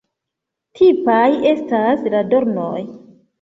Tipaj estas la dornoj.